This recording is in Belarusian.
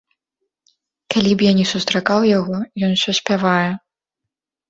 Калі б я ні сустракаў яго, ён усё спявае.